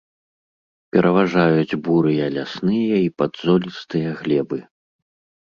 Пераважаюць бурыя лясныя і падзолістыя глебы.